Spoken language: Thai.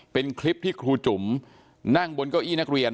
เป็นคลิปที่ครูจุ๋มนั่งบนเก้าอี้นักเรียน